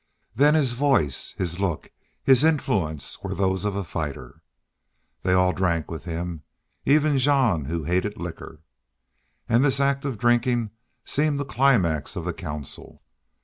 Then his voice, his look, his influence were those of a fighter. They all drank with him, even Jean, who hated liquor. And this act of drinking seemed the climax of the council.